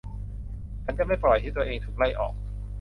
ฉันจะไม่ปล่อยให้ตัวเองถูกไล่ออก